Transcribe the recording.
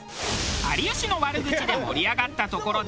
有吉の悪口で盛り上がったところで。